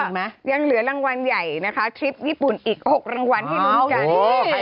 ยังเหลือรางวัลใหญ่นะคะทริปญี่ปุ่นอีก๖รางวัลให้ลุ้นกัน